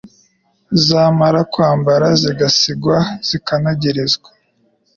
Zamara kwambara zigasigwa zikanogerezwa